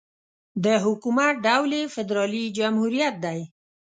د حکومت ډول یې فدرالي جمهوريت دی.